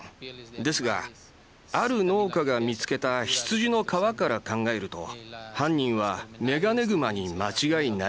ですがある農家が見つけた羊の皮から考えると犯人はメガネグマに間違いないでしょう。